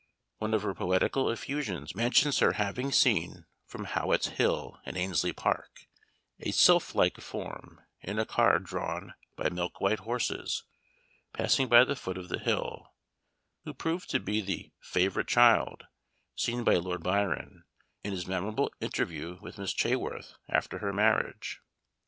One of her poetical effusions mentions her having seen from Howet's Hill in Annesley Park, a "sylph like form," in a car drawn by milk white horses, passing by the foot of the hill, who proved to be the "favorite child," seen by Lord Byron, in his memorable interview with Miss Chaworth after her marriage.